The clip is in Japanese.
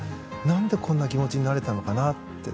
何で、こんな気持ちになれたのかなって。